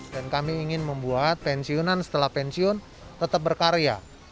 kami ingin membuat pensiunan setelah pensiun tetap berkarya